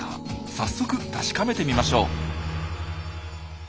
早速確かめてみましょう。